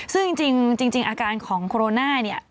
ซึ่งจริงอาการของโคโรนาเนี่ย